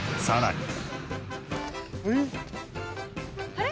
あれ？